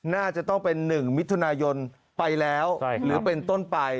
น่าจะต้องเป็น๑มิถุนายนไปแล้วหรือเป็นต้นไป